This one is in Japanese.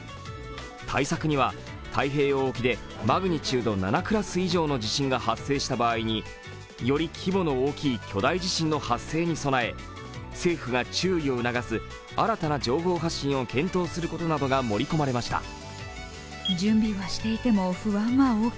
対策には太平洋沖でマグニチュード７クラス以上の地震が発生した場合により規模の大きい巨大地震の発生に備え、政府が注意を促す新たな情報発信を検討することなどが盛り込まれました。